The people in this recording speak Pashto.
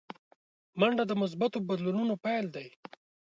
منډه د مثبتو بدلونونو پیل دی